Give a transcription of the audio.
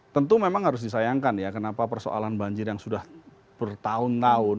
tentu memang harus disayangkan ya kenapa persoalan banjir yang sudah bertahun tahun